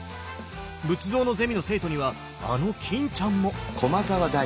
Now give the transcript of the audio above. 仏像のゼミの生徒にはあの欽ちゃんも！